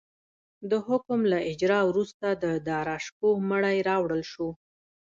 د حکم له اجرا وروسته د داراشکوه مړی راوړل شو.